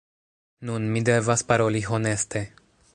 Nun, mi devas paroli honeste: